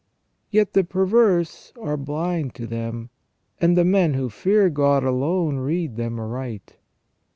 Yet the perverse are blind to them, and the men who fear God alone read them aright.